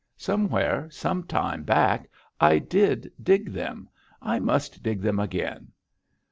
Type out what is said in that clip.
'Somewhere, some time back, I did dig them. I must dig them again.'